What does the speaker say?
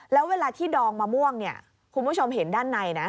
แล้วเวลาที่ดองมะม่วงเนี่ยคุณผู้ชมเห็นด้านในนะ